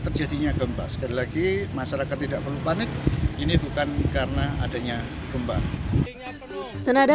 terjadinya gempa sekali lagi masyarakat tidak perlu panik ini bukan karena adanya gempa dengan penuh senada